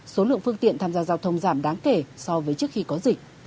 số lượng phương tiện tham gia giao thông giảm đáng kể so với trước khi có dịch